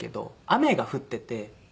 雨が降ってて。